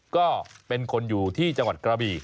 ก็เป็นคนอยู่ที่จังหวัดกระบี่